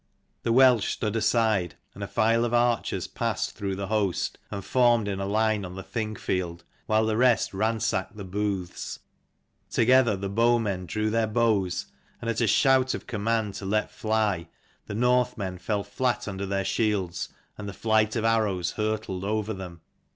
The Welsh stood aside, and a file of archers passed through the host, and formed in a line on the Thing field, while the rest ransacked the booths. Together the bowmen drew their bows, and at a shout of command to let fly, the Northmen fell flat under their shields, and the flight of arrows hurtled over them.